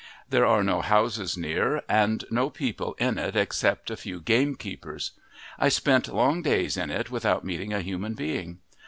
There are no houses near, and no people in it except a few gamekeepers: I spent long days in it without meeting a human being.